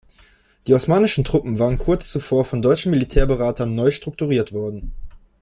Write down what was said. Die osmanischen Truppen waren kurz zuvor von deutschen Militärberatern neu strukturiert worden.